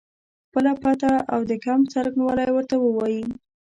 خپله پته او د کمپ څرنګوالی ورته ووایي.